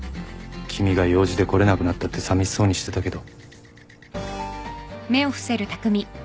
君が用事で来れなくなったってさみしそうにしてたけど。